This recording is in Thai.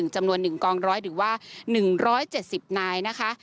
จำนวน๑กองร้อยหรือว่า๑๗๐นายนะคะ